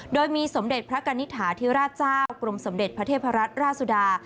โดยมีสมเด็จพระกณิตฐาธิราชเจ้ากรมสมเด็จพระเทพรัตนราชสุดา